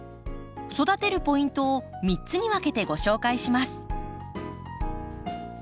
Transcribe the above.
育てるポイントを３つに分けてご紹介します。